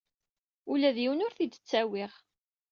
Ula d yiwen ur t-id-ttawyeɣ.